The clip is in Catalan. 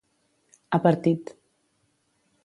Ha partit.